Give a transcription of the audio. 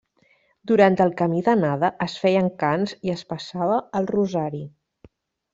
Durant el camí d’anada es feien cants i es passava el rosari.